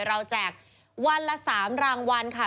แจกวันละ๓รางวัลค่ะ